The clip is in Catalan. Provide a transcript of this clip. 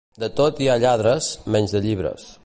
De tot hi ha lladres, menys de llibres.